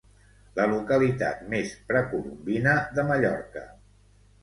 La localitat més precolombina de Mallorca.